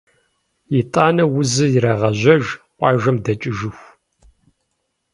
Итӏанэ узыр ирагъэжьэж къуажэм дэкӏыжыху.